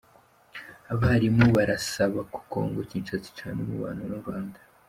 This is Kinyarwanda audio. Abarimu barasaba ko Congo Kinshasa icana umubano n’u Rwanda